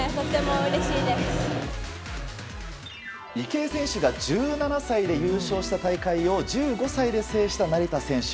池江選手が１７歳で優勝した大会を１５歳で制した成田選手。